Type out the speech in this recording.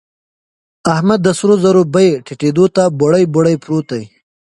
احمد د سرو زرو بيې ټيټېدو ته بوړۍ بوړۍ پروت دی.